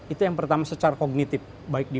itu yang pertama secara kognitif baik di